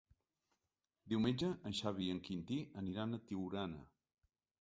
Diumenge en Xavi i en Quintí aniran a Tiurana.